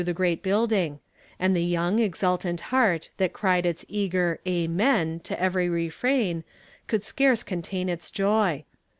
217 the great building, and the young, exultant heart, that cried its eager "Amen!" to every refrain, could scarce contain its joy.